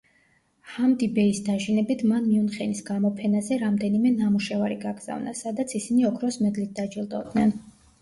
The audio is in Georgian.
ჰამდი ბეის დაჟინებით, მან მიუნხენის გამოფენაზე რამდენიმე ნამუშევარი გაგზავნა, სადაც ისინი ოქროს მედლით დაჯილდოვდნენ.